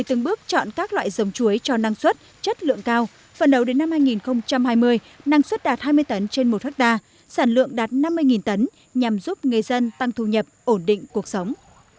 từng bước chọn các loại giống chuối cho năng suất chất lượng cao phần đầu đến năm hai nghìn hai mươi năng suất đạt hai mươi tấn trên một hectare sản lượng đạt năm mươi tấn nhằm giúp người dân tăng thu nhập ổn định cuộc sống